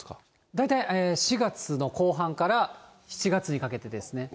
大体４月の後半から７月にかけてですね。